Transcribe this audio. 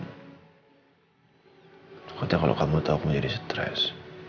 pokoknya kalau kamu tahu aku menjadi stres